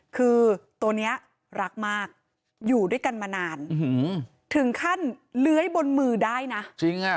คือตัวเนี้ยรักมากอยู่ด้วยกันมานานถึงขั้นเลื้อยบนมือได้นะจริงอ่ะ